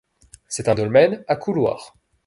C'est un dolmen à couloir.